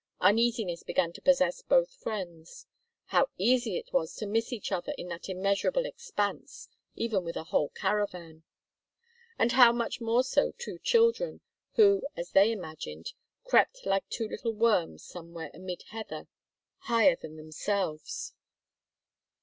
Uneasiness began to possess both friends. How easy it was to miss each other in that immeasurable expanse, even with a whole caravan; and how much more so two children, who, as they imagined, crept like two little worms somewhere amid heather higher than themselves!